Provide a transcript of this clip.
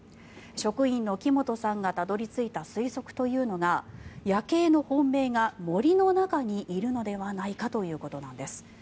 職員の木本さんがたどり着いた推測というのがヤケイの本命が森の中にいるのではないかということなんです。